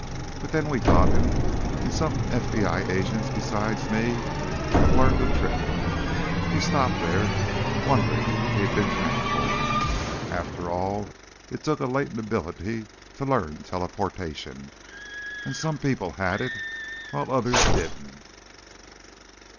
But then we got him, and some FBI agents besides me have learned the trick." He stopped there, wondering if he'd been tactful. After all, it took a latent ability to learn teleportation, and some people had it, while others didn't.